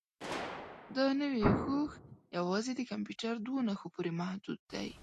دا نوي هوښ یوازې د کمپیوټر دوو نښو پورې محدود دی.